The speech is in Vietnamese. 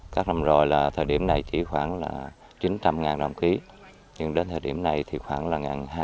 các năm rồi là thời điểm này chỉ khoảng chín trăm linh đồng ký nhưng đến thời điểm này thì khoảng hai ba trăm linh